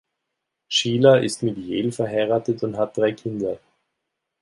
Shelah ist mit Yael verheiratet und hat drei Kinder.